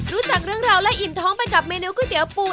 รู้จักเรื่องราวและอิ่มท้องไปกับเมนูก๋วยเตี๋ยวปู